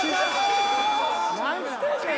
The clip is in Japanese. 何してんねん！